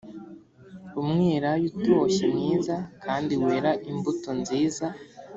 umwelayo utoshye mwiza kandi wera imbuto nziza